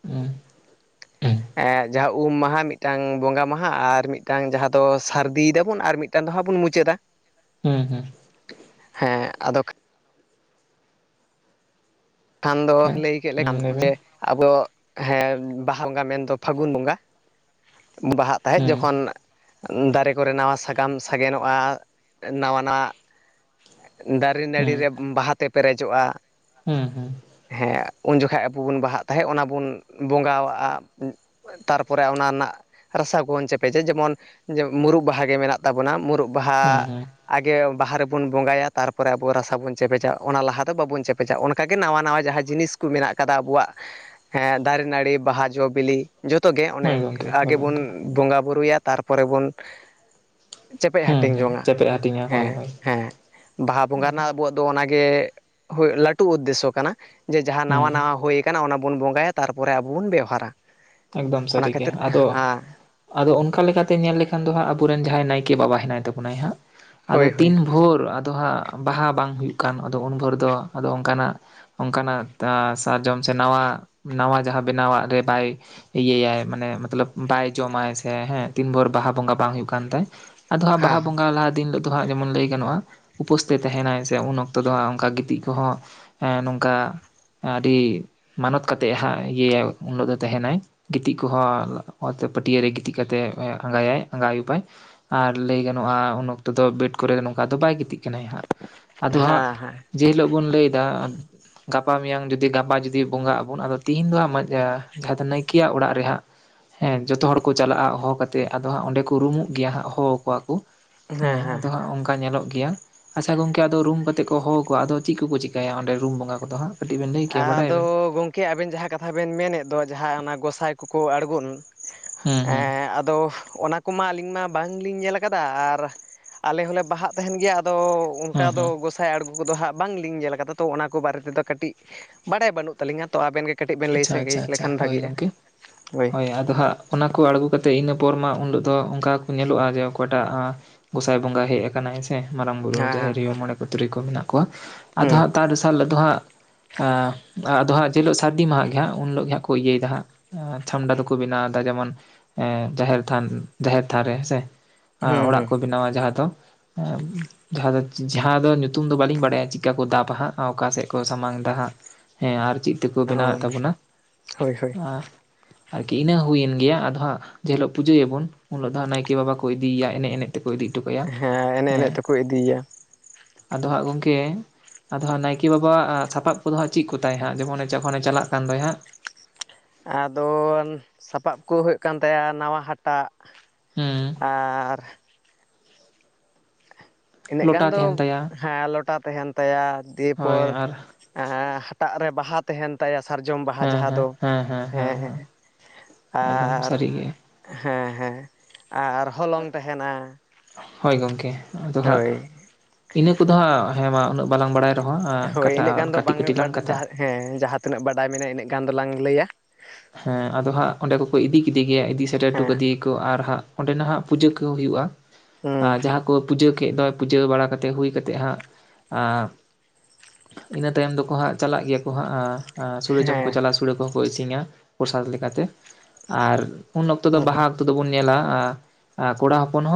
ᱦᱮᱸ ᱴᱷᱚᱸ ᱮ ᱡᱟᱦᱟᱸ ᱩᱢ ᱢᱟᱦᱟᱸ ᱢᱤᱫᱴᱟᱝ ᱵᱚᱸᱜᱟ ᱢᱟᱦᱟᱸ ᱟᱨ ᱢᱤᱫᱴᱟᱝ ᱡᱟᱦᱟᱸ ᱫᱚ ᱥᱟᱹᱨᱫᱤᱭ ᱫᱟᱵᱚᱱ ᱟᱨ ᱢᱤᱫᱴᱟᱝ [unintelligible] ᱫᱚᱦᱚᱸ ᱵᱚᱱ ᱢᱩᱪᱟᱹᱫᱟ᱾ ᱦᱮᱸ ᱦᱮᱸ ᱦᱮᱸ ᱟᱫᱚᱠ ᱠᱷᱟᱱ ᱫᱚ ᱦᱮᱸ ᱞᱟᱹᱭ ᱠᱮᱫ ᱦᱩᱸ ᱞᱮᱠᱷᱟᱱ ᱞᱟᱹᱭ ᱡᱮ ᱵᱮᱱ ᱟᱵᱚ ᱦᱮᱸ ᱵᱟᱦᱟ ᱵᱚᱸᱜᱟ ᱢᱮᱱᱫᱚ ᱯᱷᱟᱹᱜᱩᱱ ᱵᱚᱸᱜᱟ᱾ ᱵᱟᱦᱟᱜ ᱛᱟᱦᱮᱸᱫ ᱦᱩᱸ ᱡᱚᱠᱷᱚᱱ ᱫᱟᱨᱮ ᱠᱚᱨᱮ ᱱᱟᱣᱟ ᱥᱟᱠᱟᱢ ᱥᱟᱜᱮᱱᱚᱜᱼᱟ ᱱᱟᱣᱟ ᱱᱟᱜ᱾ ᱫᱟᱨᱮ ᱱᱟᱹᱲᱤ ᱨᱮ ᱵᱟᱦᱟᱛᱮ ᱯᱮᱨᱮᱡᱚᱜᱼᱟ᱾ ᱦᱮᱸ ᱦᱮᱸ ᱦᱮᱸ ᱩᱱ ᱡᱚᱠᱷᱟᱜ ᱟᱵᱚ ᱵᱚᱱ ᱵᱟᱦᱟᱜ ᱛᱟᱦᱮᱸᱫ ᱚᱱᱟ ᱵᱚᱱ ᱵᱚᱸᱜᱟᱣᱟᱜᱼᱟ᱾ ᱛᱟᱨᱯᱚᱨᱮ ᱚᱱᱟ ᱨᱮᱱᱟᱜ ᱨᱟᱥᱟ [unintelligible] ᱛᱟᱨᱯᱚᱨᱮ ᱨᱮᱱᱟᱜ ᱨᱟᱥᱟ ᱵᱚᱱ ᱪᱮᱯᱮᱡᱼᱟ ᱡᱮᱢᱚᱱ ᱡᱮ ᱢᱩᱨᱩᱵ ᱵᱟᱦᱟ ᱜᱮ ᱢᱮᱱᱟᱜ᱾ [inaudible] ᱛᱟᱵᱚᱱᱟ ᱢᱩᱨᱩᱵ ᱦᱩᱸ ᱵᱟᱦᱟ᱾ ᱦᱩᱸ ᱟᱜᱮ ᱵᱟᱦᱟ ᱨᱮᱵᱚᱱ ᱵᱚᱸᱜᱟᱭᱟ, ᱛᱟᱨᱯᱚᱨᱮ ᱟᱵᱚ ᱨᱟᱥᱟ ᱵᱚᱱ ᱪᱮᱯᱮᱡᱟ᱾ ᱚᱱᱟ ᱞᱟᱦᱟ ᱫᱚ ᱵᱟᱵᱚᱱ ᱪᱮᱯᱮᱡᱟ᱾ ᱚᱱᱟ ᱚᱱᱠᱟᱜ ᱜᱮ ᱱᱟᱣᱟ ᱱᱟᱣᱟ ᱡᱟᱦᱟᱸ ᱡᱤᱱᱤᱥ ᱠᱚ ᱢᱮᱱᱟᱜ ᱟᱠᱟᱫᱟ ᱟᱵᱚᱣᱟᱜ ᱦᱮᱸ ᱫᱟᱨᱮ ᱱᱟᱹᱲᱤ ᱵᱟᱦᱟ ᱡᱚ ᱵᱤᱞᱤ᱾ ᱡᱚᱛᱚᱜᱮ ᱦᱳᱭ ᱚᱱᱮ ᱜᱚᱢᱠᱮ ᱦᱳᱭ ᱟᱜᱮ ᱵᱚᱱ ᱜᱚᱢᱠᱮ ᱵᱚᱸᱜᱟ ᱵᱩᱨᱩᱭᱟ ᱛᱟᱨᱯᱚᱨᱮ ᱵᱚᱱ ᱪᱮᱯᱮᱡ ᱦᱩᱸ ᱦᱟᱹᱴᱤᱧ ᱦᱩᱸ ᱡᱚᱝᱼᱟ ᱪᱮᱯᱮᱫ ᱦᱟᱹᱴᱤᱧᱟ ᱦᱳᱭ ᱦᱮᱸ ᱦᱳᱭ ᱦᱮᱸ ᱵᱟᱦᱟ ᱵᱚᱸᱜᱟ ᱨᱮᱱᱟᱜ ᱟᱵᱚᱣᱟᱜ ᱛᱚ ᱚᱱᱟᱜᱮ ᱦᱳᱭ ᱞᱟᱹᱴᱩ ᱩᱫᱽᱫᱮᱥᱥᱚ ᱠᱟᱱᱟ ᱡᱮ ᱡᱟᱦᱟᱸ ᱱᱟᱣᱟ ᱦᱩᱸ ᱱᱟᱣᱟ ᱦᱩᱭ ᱠᱟᱱᱟ ᱚᱱᱟ ᱵᱚᱱ ᱵᱚᱸᱜᱟᱭᱟ ᱛᱟᱨᱯᱚᱨᱮ ᱟᱵᱚ ᱵᱚᱱ ᱵᱮᱵᱟᱦᱟᱨᱟ᱾ ᱮᱠᱫᱚᱢ ᱥᱟᱹᱨᱤ ᱜᱮ ᱟᱫᱚ ᱟᱫᱚ ᱚᱱᱠᱟ ᱞᱮᱠᱟᱛᱮ ᱧᱮᱞ ᱞᱮᱠᱷᱟᱱ ᱫᱚ ᱦᱟᱸᱜ ᱟᱵᱚᱨᱮᱱ ᱡᱟᱦᱟᱸᱭ ᱱᱟᱭᱠᱮ ᱵᱟᱵᱟ ᱦᱮᱱᱟᱭ ᱛᱟᱵᱚᱱᱟᱭ ᱦᱟᱸᱜ᱾ ᱟᱫᱚ ᱦᱳᱭ ᱦᱳᱭ ᱛᱤᱱ ᱵᱷᱳᱨ ᱟᱫᱚ ᱦᱟᱸᱜ ᱵᱟᱦᱟ ᱵᱟᱝ ᱦᱩᱭᱩᱜ ᱠᱟᱱ ᱟᱫᱚ ᱩᱱ ᱵᱷᱳᱨ ᱫᱚ ᱟᱫᱚ ᱚᱱᱠᱟᱱᱟᱜ ᱚᱱᱠᱟᱱᱟᱜ ᱥᱟᱨᱡᱚᱢ ᱥᱮ ᱱᱟᱣᱟ ᱱᱟᱣᱟ ᱡᱟᱦᱟᱸ ᱵᱮᱱᱟᱣᱟᱜ ᱨᱮ ᱵᱟᱭ ᱤᱭᱟᱹᱭᱟᱭ ᱢᱟᱱᱮ ᱢᱚᱛᱞᱚᱵᱽ ᱵᱟᱭ ᱡᱚᱢᱟᱭ ᱥᱮ ᱦᱮᱸ ᱛᱤᱱ ᱵᱷᱳᱨ ᱵᱟᱦᱟ ᱵᱚᱸᱜᱟ ᱵᱟᱝ ᱦᱩᱭᱩᱜ ᱠᱟᱱ ᱛᱟᱭ᱾ ᱟᱫᱚ ᱦᱟᱸᱜ ᱵᱟᱦᱟ ᱦᱮᱸ ᱵᱚᱸᱜᱟ ᱞᱟᱦᱟ ᱫᱤᱱ ᱦᱤᱞᱳᱜ᱾ ᱫᱚ ᱦᱟᱸᱜ ᱡᱮᱢᱚᱱ ᱞᱟᱹᱭ ᱜᱟᱱᱚᱜᱼᱟ᱾ ᱩᱯᱚᱹᱥ ᱛᱮ ᱛᱟᱦᱮᱱᱟᱭ ᱥᱮ ᱩᱱ ᱚᱠᱛᱚ ᱫᱚ ᱦᱟᱸᱜ ᱚᱱᱠᱟ ᱜᱤᱛᱤᱡ ᱠᱚᱦᱚᱸ ᱦᱮᱸ ᱱᱚᱝᱠᱟ ᱟᱹᱰᱤ ᱢᱟᱱᱚᱛ ᱠᱟᱛᱮᱜ ᱦᱟᱸᱜ ᱤᱭᱟᱹ ᱩᱱ [unintelligible] ᱛᱟᱦᱮᱱᱟᱭ ᱜᱤᱛᱤᱡ ᱠᱚᱦᱚᱸ ᱚᱛ ᱯᱚᱹᱴᱤᱭᱟ. ᱨᱮ ᱜᱤᱛᱤᱡ ᱠᱟᱛᱮᱫ ᱟᱸᱜᱟᱭᱟᱭ ᱟᱸᱜᱟᱭ ᱟᱭᱩᱵᱟᱭ᱾ ᱟᱨ ᱞᱟᱹᱭ ᱜᱟᱱᱚᱜᱼᱟ ᱩᱱ ᱚᱠᱛᱚ ᱫᱚ ᱵᱮᱰ ᱠᱚᱨᱮ ᱫᱚ ᱱᱚᱝᱠᱟ ᱫᱚ ᱵᱟᱭ ᱜᱤᱛᱤᱡ ᱠᱟᱱᱟᱭ ᱦᱟᱸᱜ ᱟᱫᱚ ᱦᱟᱸᱜ ᱦᱮᱸ ᱦᱮᱸ ᱡᱮ ᱦᱤᱞᱳᱜ ᱵᱚᱱ ᱞᱟᱹᱭ ᱮᱫᱟ ᱜᱟᱯᱟ ᱢᱮᱭᱟᱝ ᱡᱩᱫᱤ ᱜᱟᱯᱟ ᱡᱩᱫᱤ ᱵᱚᱸᱜᱟᱜ ᱟᱵᱚᱱ ᱟᱫᱚ ᱛᱤᱦᱤᱧ ᱫᱚ ᱦᱟᱸ ᱢᱟᱡᱟ ᱜᱷᱟᱛ ᱱᱟᱭᱠᱮ ᱭᱟᱜ ᱚᱲᱟᱜ ᱨᱮ ᱦᱟᱸᱜ ᱦᱮᱸ ᱡᱚᱛᱚ ᱦᱚᱲ ᱠᱚ ᱪᱟᱞᱟᱜᱼᱟ ᱦᱚᱦᱚ ᱠᱟᱛᱮᱜ ᱟᱫᱚ ᱦᱟᱸᱜ ᱚᱸᱰᱮ ᱠᱚ ᱨᱩᱢᱩᱜ ᱜᱮᱭᱟ ᱦᱟᱸᱜ ᱦᱚᱦᱚ ᱟᱠᱚᱣᱟ ᱠᱚ ᱦᱮᱸ ᱟᱫᱚ ᱦᱟᱸᱜ ᱚᱝᱠᱟ ᱚᱱᱠᱟ ᱧᱮᱞᱚᱜ ᱜᱮᱭᱟ ᱟᱪᱪᱷᱟ ᱜᱚᱝᱠᱮ ᱟᱫᱚ ᱨᱩᱢ ᱠᱟᱛᱮ ᱠᱚ ᱦᱚᱦᱚ ᱠᱚᱣᱟ ᱟᱫᱚ ᱪᱮᱫ ᱠᱚᱠᱚ ᱪᱤᱠᱟᱹᱭᱟ ᱚᱸᱰᱮ ᱨᱩᱢ ᱵᱚᱸᱜᱟ ᱠᱚᱫᱚ ᱦᱟᱸᱜ? ᱠᱟᱹᱴᱤᱡ ᱵᱮᱱ ᱞᱟᱹᱭ ᱠᱮᱭᱟ ᱟᱫᱚ ᱵᱟᱰᱟᱭᱟᱵᱮᱱ? ᱜᱚᱝᱠᱮ ᱟᱵᱮᱱ ᱡᱟᱦᱟᱸ ᱠᱟᱛᱷᱟ ᱵᱮᱱ ᱢᱮᱱᱮᱫ ᱫᱚ ᱡᱟᱦᱟᱸ ᱚᱱᱟ ᱜᱚᱸᱥᱟᱭ ᱠᱚᱠᱚ ᱟᱬᱜᱳᱱᱟ ᱦᱩᱸ ᱦᱩᱸ ᱦᱮᱸ ᱟᱫᱚ ᱚᱱᱟ ᱠᱚᱢᱟ ᱟᱹᱞᱤᱧ ᱢᱟ ᱵᱟᱝᱞᱤᱧ ᱧᱮᱞ ᱟᱠᱟᱫᱟ ᱟᱨ ᱟᱞᱮ ᱦᱚᱸᱞᱮ ᱵᱟᱦᱟᱜ ᱛᱟᱦᱮᱱ ᱜᱮᱭᱟ ᱟᱫᱚ ᱦᱩᱸ ᱚᱱᱠᱟᱫᱚ ᱦᱩᱸ ᱜᱚᱸᱥᱟᱭ ᱟᱬᱜᱚ ᱠᱚᱫᱚ ᱦᱟᱸᱜ ᱵᱟᱝ ᱞᱤᱝ ᱧᱮᱞ ᱠᱟᱫᱟ ᱛᱚ ᱚᱱᱟ ᱠᱚ ᱵᱟᱨᱮ ᱛᱮᱫᱚ ᱠᱟᱹᱴᱤᱡᱽ ᱵᱟᱰᱟᱭ ᱵᱟᱹᱱᱩᱜ ᱛᱟᱹᱞᱤᱧᱟ ᱛᱚ ᱟᱵᱮᱱ ᱜᱮ ᱵᱮᱱ ᱞᱟᱹᱭ ᱟᱪᱪᱷᱟ ᱟᱪᱪᱷᱟ ᱥᱟᱸᱜᱮ ᱟᱪᱪᱷᱟ ᱞᱮᱠᱷᱟᱱ ᱦᱳᱭ ᱵᱷᱟᱜᱤᱜᱼᱟ ᱜᱚᱝᱠᱮ ᱦᱳᱭ ᱟᱫᱚ ᱦᱟᱸᱜ ᱚᱱᱟᱠᱚ ᱟᱬᱜᱚ ᱠᱟᱛᱮᱫ ᱤᱱᱟᱹ ᱯᱚᱨ ᱢᱟ ᱩᱱᱤᱞᱳᱜ ᱫᱚ ᱚᱱᱠᱟ ᱠᱚ ᱧᱮᱞᱚᱜᱼᱟ ᱡᱮ ᱚᱠᱟᱴᱟᱜ ᱜᱚᱸᱥᱟᱭ ᱵᱚᱸᱜᱟ ᱦᱮᱡ ᱟᱠᱟᱱᱟᱭ ᱥᱮ ᱢᱟᱨᱟᱝ ᱵᱩᱨᱩ ᱡᱟᱦᱮᱨ ᱟᱭᱳ ᱦᱮᱸ ᱢᱚᱬᱮ ᱠᱚ ᱛᱩᱨᱩᱭ ᱠᱚ ᱢᱮᱱᱟᱜ ᱠᱚᱣᱟ ᱟᱫᱚ ᱦᱮᱸ ᱦᱟᱸᱜ ᱛᱟᱨ ᱫᱚᱥᱟᱨ ᱦᱤᱞᱳᱜ ᱟᱫᱚ ᱦᱟᱸ ᱟᱫᱚ ᱦᱟᱸᱜ ᱡᱮ ᱦᱤᱞᱚᱜ ᱥᱟᱹᱨᱫᱤ ᱢᱟᱦᱟ ᱜᱮ ᱦᱟᱸᱜ ᱩᱱ ᱦᱤᱞᱳᱜ ᱜᱮ ᱦᱟᱸᱜ ᱠᱚ ᱤᱭᱟᱹᱭᱮᱫᱟ ᱦᱟᱸᱜ ᱪᱷᱟᱢᱰᱟ ᱫᱚᱠᱚ ᱵᱮᱱᱟᱣᱟ ᱡᱮᱢᱚᱱ ᱦᱮᱸ ᱡᱟᱦᱮᱨ ᱛᱷᱟᱱ ᱡᱟᱦᱮᱨ ᱛᱷᱟᱱ ᱨᱮ ᱦᱮᱸᱥᱮ ᱦᱮᱸ ᱦᱩᱸ ᱚᱲᱟᱜ ᱦᱩᱸ ᱠᱚ ᱵᱮᱱᱟᱣᱟ ᱡᱟᱦᱟᱸ ᱫᱚ [unintelligible] ᱡᱟᱦᱟᱸ ᱫᱚ ᱡᱟᱦᱟᱸ ᱫᱚ ᱧᱩᱛᱩᱢ ᱫᱚ ᱵᱟᱹᱞᱤᱧ ᱵᱟᱲᱟᱭᱟ ᱪᱤᱠᱟᱹ ᱠᱚ ᱫᱟᱵᱟ ᱦᱟᱸᱜ ᱚᱠᱟ ᱥᱮᱫ ᱠᱚ ᱥᱟᱢᱟᱝᱫᱟ ᱦᱟᱸᱜ ᱦᱮᱸ ᱟᱨ ᱪᱮᱜ ᱛᱮᱠᱚ ᱵᱮᱱᱟᱣᱮᱜ ᱦᱩᱸ ᱛᱟᱵᱚᱱᱟ? ᱦᱳᱭ ᱦᱳᱭ ᱟ ᱟᱨᱠᱤ ᱱᱟᱹ ᱦᱩᱭᱮᱱ ᱜᱮᱭᱟ ᱟᱫᱚ ᱦᱟᱸᱜ ᱡᱮ ᱦᱤᱞᱳᱜ ᱯᱩᱡᱟᱹᱭᱟ ᱵᱚᱱ ᱩᱱ ᱦᱳᱞᱳᱜ ᱫᱚ ᱱᱟᱭᱠᱮ ᱵᱟᱵᱟ ᱠᱚ ᱤᱫᱤᱭᱮᱭᱟ ᱮᱱᱮᱡ ᱮᱱᱮᱡ ᱛᱮ ᱠᱚ ᱤᱫᱤ ᱦᱚᱴᱚ ᱠᱟᱭᱟ ᱮᱱᱮᱡ ᱮᱱᱮᱡ ᱦᱮᱸ᱾ ᱛᱮᱠᱚ ᱤᱫᱤᱭᱮᱭᱟ ᱟᱫᱚ ᱦᱟᱸᱜ ᱜᱚᱝᱠᱮ ᱟᱫᱚ ᱦᱟᱸᱜ ᱱᱟᱭᱠᱮ ᱵᱟᱵᱟᱣᱟᱜ ᱟᱸ ᱥᱟᱯᱟᱵ ᱠᱚᱫᱚ ᱦᱟᱸᱜ ᱪᱮᱜ ᱠᱚ ᱛᱟᱭ ᱦᱟᱸᱜ ᱡᱮᱢᱚᱱ ᱡᱚᱠᱷᱚᱱᱮ ᱪᱟᱞᱟᱜ ᱠᱟᱱ ᱫᱚᱭ ᱦᱟᱸᱜ ᱟᱫᱚ ᱥᱟᱯᱟᱵ ᱠᱚ ᱦᱩᱭᱩᱜ ᱠᱟᱱ ᱛᱟᱭᱟ ᱱᱟᱣᱟ ᱦᱟᱴ ᱴᱟᱜ ᱦᱩᱸ ᱟᱨ ᱤᱱᱟᱹᱜ ᱜᱟᱱ ᱞᱚᱴᱟ ᱫᱚ ᱛᱟᱦᱮᱱ ᱛᱟᱭᱟ ᱦᱮᱸ ᱞᱚᱴᱟ ᱛᱟᱦᱮᱱ ᱛᱟᱭᱟ ᱫᱤᱭᱮ ᱦᱳᱭ ᱯᱚᱨ ᱟᱨ ᱟᱻ ᱦᱟᱴᱟᱜ ᱨᱮ ᱵᱟᱦᱟ ᱛᱟᱦᱮᱱ ᱛᱟᱭᱟ ᱥᱟᱨᱡᱚᱢ ᱵᱟᱦᱟ ᱦᱮᱸ ᱡᱟᱦᱟᱸ ᱦᱮᱸ ᱫᱚ ᱦᱮᱸ ᱦᱮᱸ ᱮᱸ ᱦᱮᱸ ᱮᱠᱫᱚᱢ ᱟᱨ ᱥᱟᱹᱨᱤᱜᱮ ᱦᱮᱸ ᱦᱮᱸ ᱟᱼᱟᱨ ᱦᱚᱞᱚᱝ ᱛᱟᱦᱮᱸᱱᱟ ᱦᱳᱭ ᱜᱚᱝᱠᱮ ᱟᱫᱚ ᱦᱟᱸᱜ ᱤᱱᱟᱹ ᱠᱚᱫᱚ ᱦᱟᱸᱜ ᱦᱮᱸ ᱢᱟ ᱩᱱᱟᱹᱜ ᱵᱟᱞᱟᱝ ᱵᱟᱲᱟᱭ ᱟᱸ ᱦᱳᱭ ᱠᱟᱴᱟ ᱤᱱᱟᱹᱜ ᱜᱟᱱ ᱫᱚ ᱠᱟᱹᱴᱤᱜ ᱵᱟᱝ ᱠᱟᱹᱴᱤᱜ ᱞᱟᱝ ᱠᱟᱛᱷᱟ ᱡᱟᱦᱟᱸ ᱦᱮᱸ ᱡᱟᱦᱟᱸ ᱛᱤᱱᱟᱹᱜ ᱵᱟᱰᱟᱭ ᱢᱮᱱᱟᱜᱼᱟ ᱤᱱᱟᱹᱜ ᱜᱟᱱ ᱫᱚᱞᱟᱝ ᱞᱟᱹᱭᱟ᱾ ᱦᱮᱸ ᱟᱫᱚ ᱦᱟᱸᱜ ᱚᱸᱰᱮ ᱠᱚᱠᱚ ᱤᱫᱤ ᱠᱮᱫᱮ ᱜᱮᱭᱟ ᱤᱫᱤ ᱥᱮᱴᱮᱨ ᱚᱴᱩ ᱦᱮᱸ ᱠᱟᱫᱮ ᱠᱚ ᱟᱨ ᱦᱟᱸᱜ ᱚᱸᱰᱮ ᱱᱟᱜᱦᱟᱸᱜ ᱯᱩᱡᱟᱹ ᱠᱚ ᱦᱩᱭᱩᱜᱼᱟ᱾ ᱟ ᱦᱩᱸ ᱡᱟᱦᱟᱸ ᱠᱚ ᱯᱩᱡᱟᱹ ᱠᱮᱜ ᱫᱚᱭ ᱯᱩᱡᱟᱹ ᱵᱟᱲᱟ ᱠᱟᱛᱮᱜ ᱦᱩᱭ ᱠᱟᱛᱮᱜ ᱦᱟᱸᱜ ᱟᱸ ᱤᱱᱟᱹ ᱛᱟᱭᱚᱢ ᱫᱚᱠᱚ ᱦᱟᱸᱜ ᱪᱟᱞᱟᱜ ᱜᱮᱭᱟ ᱠᱚ ᱦᱟᱸᱜ ᱟᱸ ᱟᱸ ᱥᱳᱲᱮ ᱡᱚᱢ ᱠᱚ ᱦᱮᱸ ᱪᱟᱞᱟᱜᱼᱟ ᱥᱳᱲᱮ ᱠᱚᱦᱚᱸ ᱠᱚ ᱤᱥᱤᱱᱟ᱾ ᱯᱨᱚᱥᱟᱫ ᱞᱮᱠᱟ ᱛᱮ ᱟᱨ ᱩᱱ ᱚᱠᱛᱚ ᱫᱚ ᱵᱟᱦᱟ ᱱᱤᱛᱚᱜ ᱫᱚᱵᱚᱱ ᱧᱮᱞᱟ ᱟᱸ ᱮᱸ ᱠᱚᱲᱟ ᱦᱚᱯᱚᱱ ᱦᱚᱸ